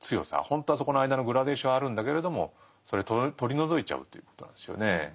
ほんとはそこの間のグラデーションあるんだけれどもそれ取り除いちゃうということなんですよね。